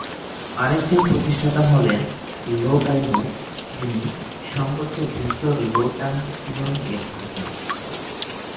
আরেকজন প্রতিষ্ঠাতা হলেন লো কাই-মুক যিনি সম্পর্কে ভিক্টর লো টাং-সিওং-এর ভাগ্নে।